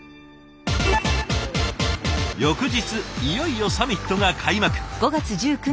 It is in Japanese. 翌日いよいよサミットが開幕。